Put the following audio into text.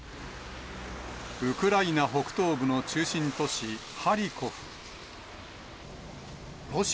ウクライナ北東部の中心都市、ハリコフ。